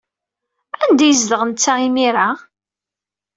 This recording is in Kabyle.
Anda ay yezdeɣ netta imir-a?